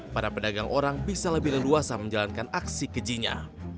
para pedagang orang bisa lebih leluasa menjalankan aksi kejinya